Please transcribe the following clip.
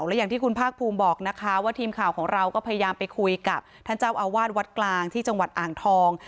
และอย่างที่คุณภาคภูมิบอกนะคะว่าทีมข่าวของเราก็พยายามไปคุยกับท่านเจ้าอาวาสวัดกลางที่จังหวัดอ่างทอง